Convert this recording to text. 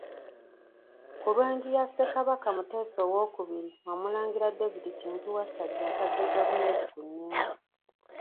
Ku lw’enju ya Ssekabaka Muteesa II, Omulangira David Kintu Wassajja atadde gavumenti ku nninga.